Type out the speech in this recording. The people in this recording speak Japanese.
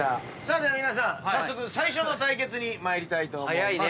では皆さん早速最初の対決に参りたいと思います。